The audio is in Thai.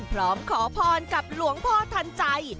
พร้อมขอพรกับหลวงพ่อทันใจ